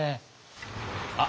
あっ！